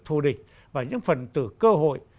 thù địch và những phần từ cơ hội